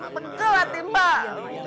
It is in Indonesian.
pegel hati mak